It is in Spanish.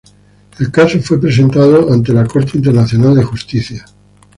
El caso fue presentado ante la Corte Internacional de Justicia.